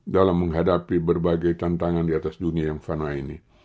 dalam menghadapi berbagai tantangan di atas dunia yang fana ini